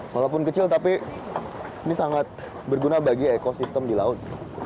walaupun kecil tapi ini sangat berguna bagi ekosistem di laut